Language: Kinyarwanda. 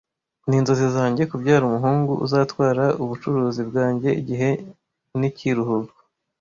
Ninzozi zanjye kubyara umuhungu uzatwara ubucuruzi bwanjye igihe nikiruhuko.